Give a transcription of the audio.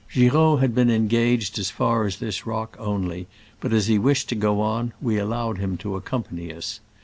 Giraud had been engaged as far as this rock only, but as he wished to go on, we allowed him to accompany us.